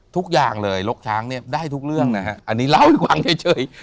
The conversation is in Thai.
ทุกอย่างเลยลกช้างเนี่ยได้ทุกเรื่องนะฮะอันนี้เล่าให้ฟังเฉย